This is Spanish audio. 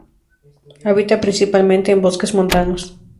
Habita principalmente en bosques montanos.